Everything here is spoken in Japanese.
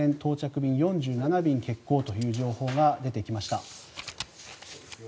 便４７便が欠航という情報が出てきました。